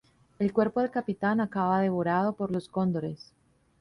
El cuerpo del capitán acaba devorado por los cóndores.